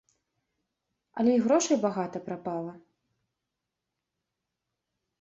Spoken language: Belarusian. Але і грошай багата прапала!